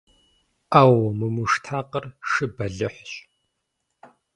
Ӏэу! Мы муштакъыр шы бэлыхьщ!